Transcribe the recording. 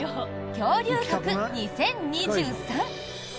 「恐竜博２０２３」。